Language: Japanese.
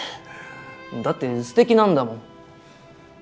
だってすてきなんだもん。